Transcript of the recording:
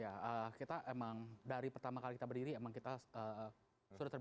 ya kita emang dari pertama kali kita berdiri emang kita sudah terbiasa melakukan audit report